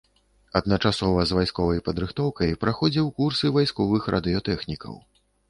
Адначасова з вайсковай падрыхтоўкай праходзіў курсы вайсковых радыётэхнікаў.